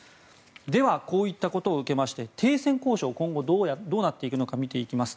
ではこういったことを受けまして停戦交渉は今後どうなっていくのか見ていきます。